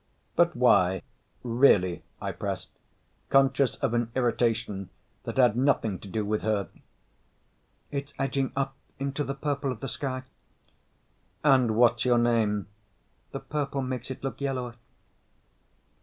"But why, really?" I pressed, conscious of an irritation that had nothing to do with her. "It's edging up into the purple of the sky." "And what's your name?" "The purple makes it look yellower."